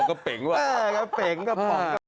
กะเป็งกระเป๋า